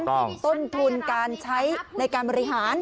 ต้นทุนการใช้ในการบริหาร